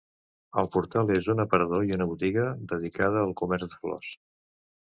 El portal és un aparador i una botiga dedicada al comerç de flors.